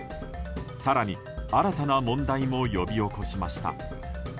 更に新たな問題も呼び起こしました。